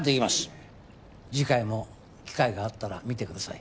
次回も機会があったら見てください。